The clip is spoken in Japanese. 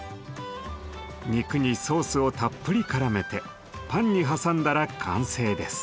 肉にソースをたっぷりからめてパンに挟んだら完成です。